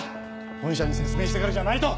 本社に説明してからじゃないと！